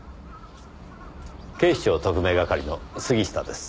警視庁特命係の杉下です。